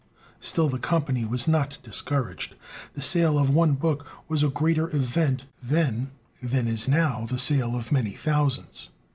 Still the company was not discouraged; the sale of one book was a greater event then than is now the sale of many thousands.